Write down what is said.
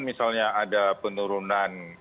misalnya ada penurunan